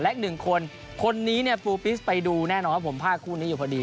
และหนึ่งคนคนนี้เนี่ยไปดูแน่นอนครับผมภาคคู่นี้อยู่พอดี